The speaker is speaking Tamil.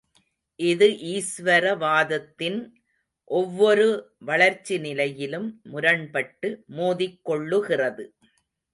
இது ஈஸ்வரவாதத்தின் ஒவ்வொரு வளர்ச்சி நிலையிலும் முரண்பட்டு மோதிக் கொள்ளுகிறது.